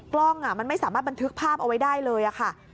กล้องมันไม่สามารถบันทึกภาพเอาไว้ได้เลยค่ะ